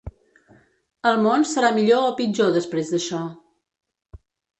El món serà millor o pitjor després d’això?